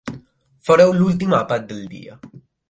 Fareu l'últim àpat del dia.